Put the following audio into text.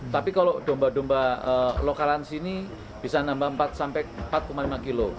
tapi kalau domba domba lokalan sini bisa nambah empat sampai empat lima kg